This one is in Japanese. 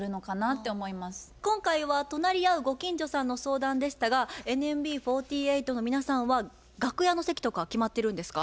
今回は隣り合うご近所さんの相談でしたがＮＭＢ４８の皆さんは楽屋の席とかは決まってるんですか？